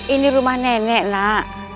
ini rumah nenek nak